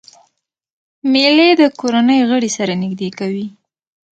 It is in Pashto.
مېلې د کورنۍ غړي سره نږدې کوي.